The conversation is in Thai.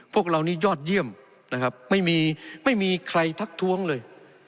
พวกเรานี้ยอดเยี่ยมนะครับไม่มีไม่มีใครทักท้วงเลย